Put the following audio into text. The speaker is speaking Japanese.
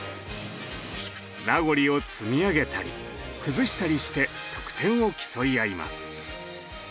ラゴリを積み上げたり崩したりして得点を競い合います。